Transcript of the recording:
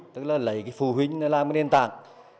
tức là lấy phụ huynh làm nền tảng